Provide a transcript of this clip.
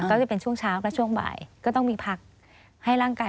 ก็จะเป็นช่วงเช้าและช่วงบ่ายก็ต้องมีพักให้ร่างกาย